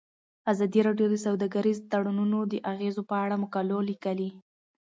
ازادي راډیو د سوداګریز تړونونه د اغیزو په اړه مقالو لیکلي.